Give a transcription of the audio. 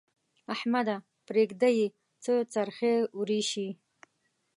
احمده! پرېږده يې؛ څه څرخی ورېشې.